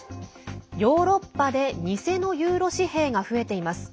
ヨーロッパで偽のユーロ紙幣が増えています。